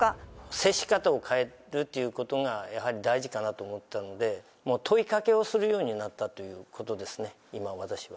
接し方を変えるということがやはり大事かなと思ったので、問いかけをするようになったということですね、今は私は。